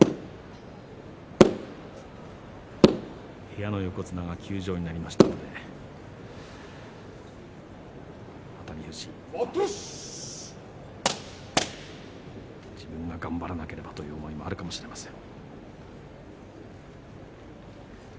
部屋の横綱が休場になりましたので熱海富士自分が頑張らなければという思いもあるかもしれません。